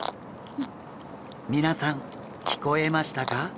皆さん聞こえましたか？